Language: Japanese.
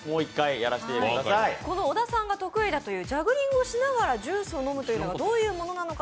小田さんが得意なジャグリングしながらジュースを飲むというもの、どういうものなのか